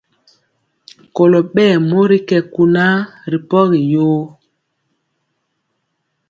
Kolɔ ɓɛɛ mori kɛ kunaa ri pɔgi yoo.